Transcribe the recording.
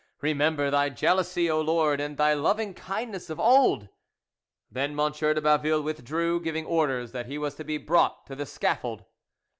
Remember Thy jealousy, O Lord, and Thy loving kindness of old!" Then M. de Baville withdrew, giving orders that he was to be brought to the scaffold.